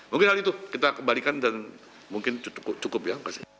mungkin hal itu kita kembalikan dan mungkin cukup ya